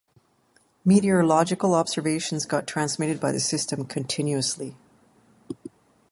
Meteorological observations got transmitted by the system continuously.